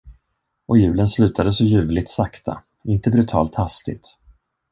Och julen slutade så ljuvligt sakta, inte brutalt hastigt.